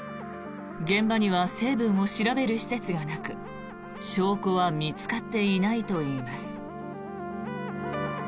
現場には成分を調べる施設がなく証拠は見つかっていないといいます。